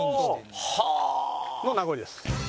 の名残です。